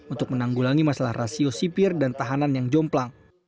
untuk menanggulangi masalah rasio sipir dan tahanan yang jomplang